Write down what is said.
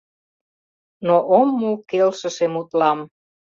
Но ом му келшыше мутлам.